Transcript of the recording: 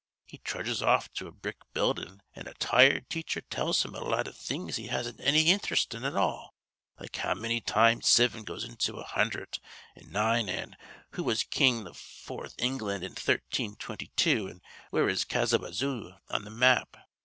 He trudges off to a brick buildin' an' a tired teacher tells him a lot iv things he hasn't anny inthrest in at all, like how manny times sivin goes into a hundhred an' nine an' who was King iv England in thirteen twinty two an' where is Kazabazoo on the map.